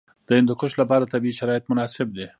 د هندوکش لپاره طبیعي شرایط مناسب دي.